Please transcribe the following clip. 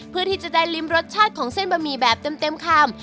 เพื่อที่จะได้ลิ้มรสชาติของเส้นบะหมี่แบบเต็มคำ